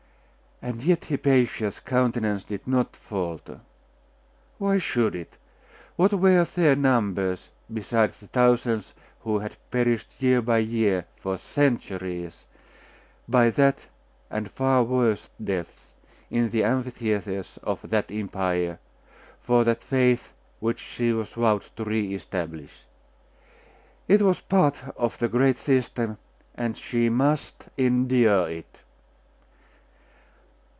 And yet Hypatia's countenance did not falter. Why should it? What were their numbers, beside the thousands who had perished year by year for centuries, by that and far worse deaths, in the amphitheatres of that empire, for that faith which she was vowed to re establish. It was part of the great system; and she must endure it.